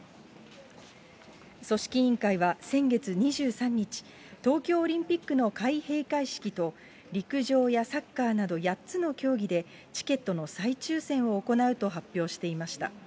組織委員会は先月２３日、東京オリンピックの開閉会式と、陸上やサッカーなど８つの競技で、チケットの再抽せんを行うと発表していました。